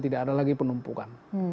tidak ada lagi penumpukan